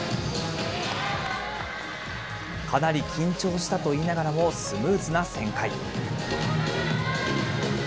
かなり緊張したと言いながらもスムーズな旋回。